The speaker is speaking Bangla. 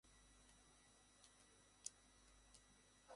সেই সবুজ প্রান্তরে দেখা যায় সাদা পশমে ঢাকা মেষের পাল চড়ে বেড়াচ্ছে।